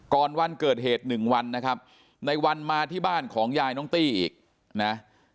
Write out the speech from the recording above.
วันเกิดเหตุหนึ่งวันนะครับในวันมาที่บ้านของยายน้องตี้อีกนะ